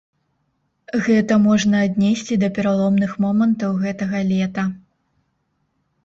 Гэта можна аднесці да пераломных момантаў гэтага лета.